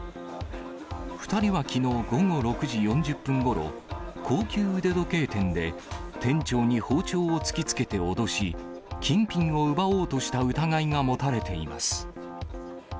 ２人はきのう午後６時４０分ごろ、高級腕時計店で、店長に包丁を突きつけて脅し、金品を奪おうとした疑いが持たれています。